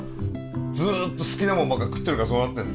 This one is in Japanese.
ずっと好きなもんばっか食ってるからそうなってんだよ。